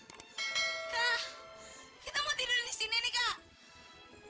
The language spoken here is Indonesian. kak kita mau tidur disini nih kak